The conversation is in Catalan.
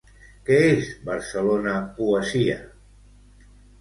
Què és Barcelona Poesia?